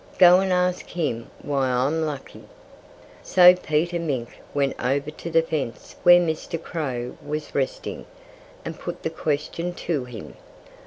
Go and ask him why I'm lucky." So Peter Mink went over to the fence where Mr. Crow was resting, and put the question to him.